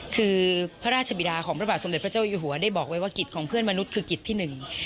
คือพระราชบิดาของพระบาทสมเด็จพระเจ้าอยู่หัวได้บอกไว้ว่ากิจของเพื่อนมนุษย์คือกิจที่หนึ่ง